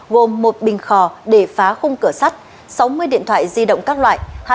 gồm một bình khò để phá khung cửa sắt sáu mươi điện thoại di động các loại